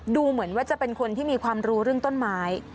ดูเหมือนว่าจะเป็นคนที่มีความรู้เรื่องต้นไม้